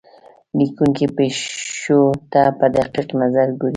لیکونکی پېښو ته په دقیق نظر ګوري.